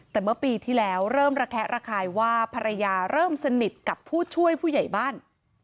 แต่เมื่อปีที่แล้วเริ่มระแคะระคายว่าภรรยาเริ่มสนิทกับผู้ช่วยผู้ใหญ่บ้าน